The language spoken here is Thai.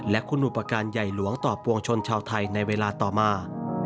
และคุณอุปการณ์ใหญ่หลวงต่อปวงชนชาวไทยในเวลาต่อมา